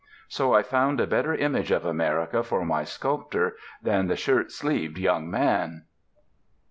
So I found a better image of America for my sculptor than the shirt sleeved young man.